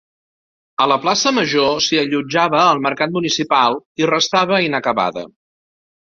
A la Plaça Major s'hi allotjava el mercat municipal i restava inacabada.